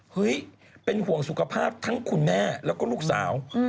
เฮ้ยเป็นห่วงสุขภาพทั้งคุณแม่แล้วก็ลูกสาว